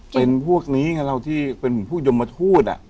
เป็นพวกนี้ไงเราที่เป็นผู้ยมมาพูดอะ